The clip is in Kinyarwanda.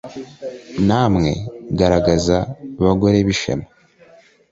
namwe, garagaza, bagore b'ishema